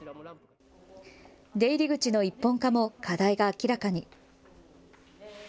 出入り口の一本化も課題が明らかに。